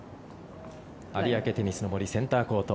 有明テニスの森センターコート